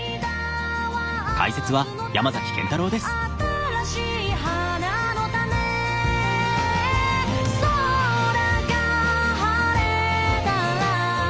「新しい花の種」「空が晴れたら」